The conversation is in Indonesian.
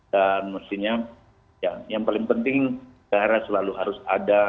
dan mestinya yang paling penting daerah selalu harus ada